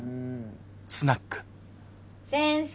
先生。